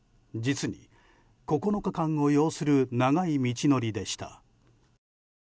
実に９日間を要する長い道のりでした。